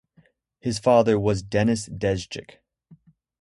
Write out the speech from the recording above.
His father was Denis Dezdjek.